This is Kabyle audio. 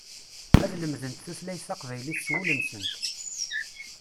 Ad lemdent tutlayt taqbaylit s wul-nsent.